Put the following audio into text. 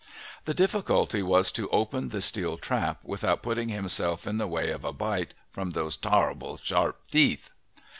The difficulty was to open the steel trap without putting himself in the way of a bite from those "tarrable sharp teeth."